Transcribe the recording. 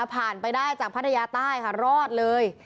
ผ่านไปได้จากพระทะยาใต้ค่ะรอดเลย